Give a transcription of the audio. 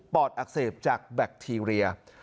อดอักเสบจากแบคทีเรีย